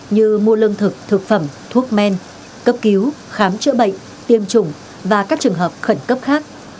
như mua lương thực thực phẩm thuốc men cấp cứu khám chữa bệnh tiêm chủng và các trường hợp khẩn cấp khác